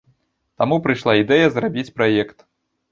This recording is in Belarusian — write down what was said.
Таму прыйшла ідэя зрабіць праект.